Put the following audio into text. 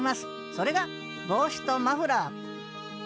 それが帽子とマフラー